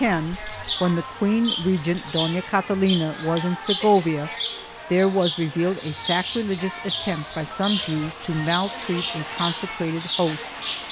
In 1410, when the Queen regent Dona Catalina was in Segovia, there was revealed a sacrilegious attempt by some Jews to maltreat a consecrated host.